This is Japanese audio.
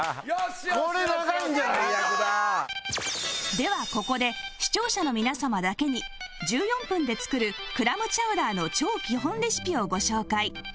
ではここで視聴者の皆様だけに１４分で作るクラムチャウダーの超基本レシピをご紹介